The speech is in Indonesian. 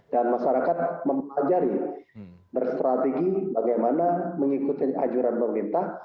dan masyarakat mempelajari berstrategi bagaimana mengikuti ajuran pemerintah